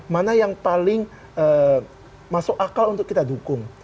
mana yang paling masuk akal untuk kita dukung